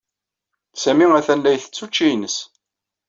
Sami atan la isett učči-ines.